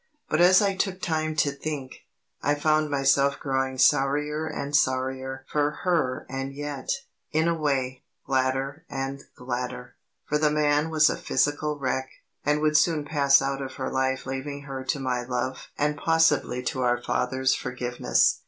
But, as I took time to think, I found myself growing sorrier and sorrier for her and yet, in a way, gladder and gladder, for the man was a physical wreck and would soon pass out of her life leaving her to my love and possibly to our father's forgiveness.